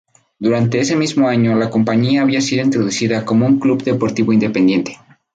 Durante ese mismo año, la compañía había sido introducida como un club deportivo independiente.